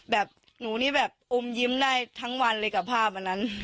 แบบหนูนี่แบบอมยิ้มได้ทั้งวันเลยกับภาพอันนั้น